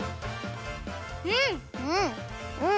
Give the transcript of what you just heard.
うん！